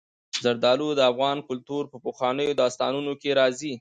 زردالو د افغان کلتور په پخوانیو داستانونو کې راځي.